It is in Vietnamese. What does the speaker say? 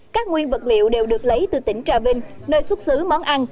các nguyên vật liệu đều được lấy từ tỉnh trà vinh nơi xuất xứ món ăn